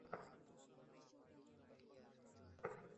যাওয়া কি জরুরী?